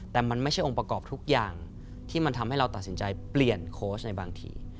แต่มันไม่ใช่องค์ประกอบทุกอย่างที่มันทำให้เราตัดสินใจเปลี่ยนโค้ชในบางที